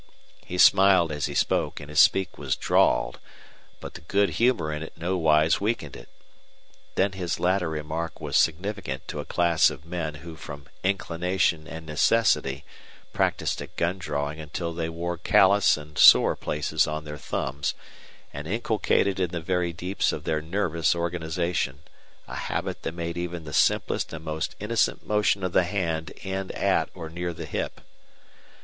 He smiled as he spoke, and his speech was drawled; but the good humor in no wise weakened it. Then his latter remark was significant to a class of men who from inclination and necessity practiced at gun drawing until they wore callous and sore places on their thumbs and inculcated in the very deeps of their nervous organization a habit that made even the simplest and most innocent motion of the hand end at or near the hip.